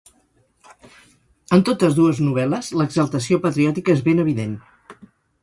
En totes dues novel·les, l'exaltació patriòtica és ben evident.